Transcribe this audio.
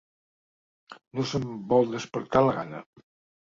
No se'm vol despertar la gana.